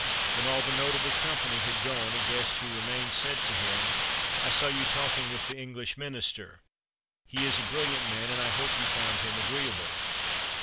When all the notable company had gone, a guest who remained said to him: "I saw you talking with the English Minister. He is a brilliant man, and I hope that you found him agreeable."